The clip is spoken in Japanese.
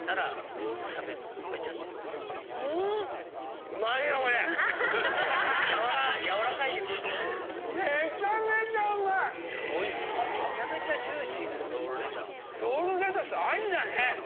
ロールレタス有りだね！